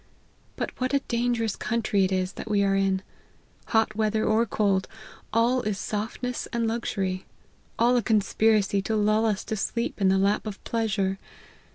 But what a danger ous country it is that we are in ; hot weather or cold, all is softness and luxury ; all a conspiracy to lull us to sleep in the lap of pleasure.